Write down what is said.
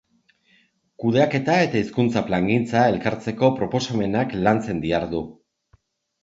Kudeaketa eta hizkuntza plangintza elkartzeko proposamenak lantzen dihardu.